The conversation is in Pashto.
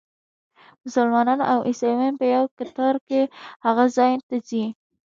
مسلمانان او عیسویان په یوه کتار کې هغه ځای ته ځي.